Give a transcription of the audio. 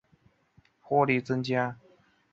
凉山香茶菜为唇形科香茶菜属下的一个种。